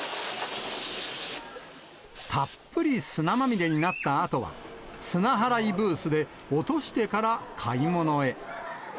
たっぷり砂まみれになったあとは、砂払いブースで落としてから買い物へ。